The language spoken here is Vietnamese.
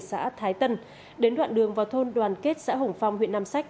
phùng văn định đã bắt thái tân đến đoạn đường vào thôn đoàn kết xã hồng phong huyện nam sách